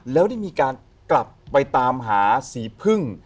แล้วได้มีการกลับไปตามหาสีพึ่ง